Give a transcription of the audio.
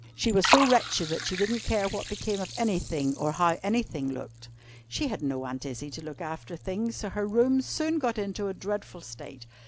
She was so wretched, that she didn't care what became of anything, or how anything looked. She had no Aunt Izzie to look after things, so her room soon got into a dreadful state.